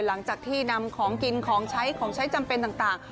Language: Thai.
หลังจากที่นำของกินของใช้ของใช้จำเป็นต่าง